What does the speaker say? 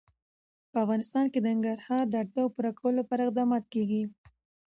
په افغانستان کې د ننګرهار د اړتیاوو پوره کولو لپاره اقدامات کېږي.